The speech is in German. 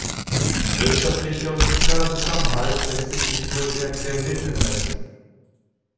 Wirtschaftlicher und sozialer Zusammenhalt lässt sich nicht nur in finanziellen Mitteln messen.